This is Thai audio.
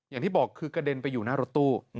อย่างที่บอกคือกระเด็นไปอยู่หน้ารถตู้